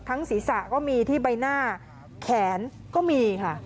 ศีรษะก็มีที่ใบหน้าแขนก็มีค่ะ